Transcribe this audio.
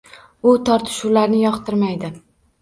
U tortishuvlarni yoqtirmaydi.